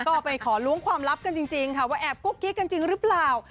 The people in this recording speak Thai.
ก็ไปขอล้วงความลับกันจริงค่ะว่าแอบกุ๊กกิ๊กกันจริงหรือเปล่า